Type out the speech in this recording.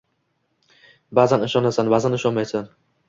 Ba’zan ishonasan, ba’zan ishonmaysan